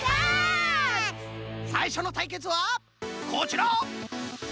さいしょのたいけつはこちら！